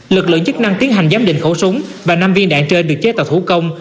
lực lượng chức năng tiến hành giám định khẩu súng và năm viên đạn trên được chế tạo thủ công